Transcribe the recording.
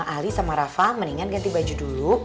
ali sama rafa mendingan ganti baju dulu